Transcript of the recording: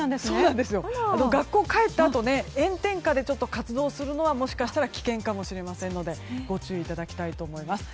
学校から帰ったあと炎天下で活動するのはもしかしたら危険かもしれませんのでご注意いただきたいと思います。